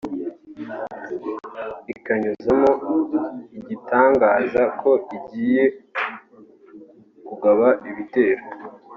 Ikanyuzamo igatangaza ko igiye kugaba ibitero